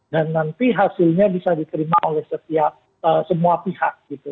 dan nanti hasilnya bisa diterima oleh semua pihak gitu